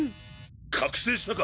覚醒したか！